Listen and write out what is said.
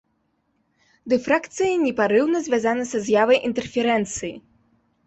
Дыфракцыя непарыўна звязана са з'явай інтэрферэнцыі.